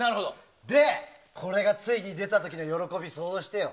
で、これがついに出た時の喜び想像してよ。